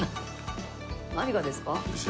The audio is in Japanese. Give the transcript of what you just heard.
何がですか？